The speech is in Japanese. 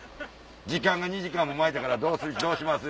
時間が２時間も前だからどうします？